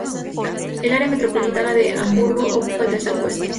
El área metropolitana de Hamburgo ocupa el tercer puesto.